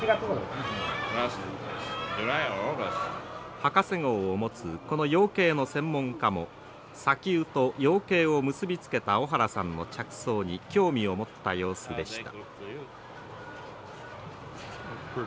博士号を持つこの養鶏の専門家も砂丘と養鶏を結び付けた小原さんの着想に興味を持った様子でした。